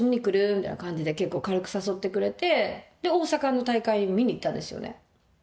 みたいな感じで結構軽く誘ってくれてで大阪の大会を見に行ったんですよね。